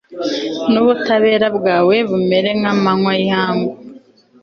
n'ubutabera bwawe, bumere nk'amanywa y'ihangu